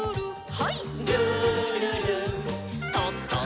はい。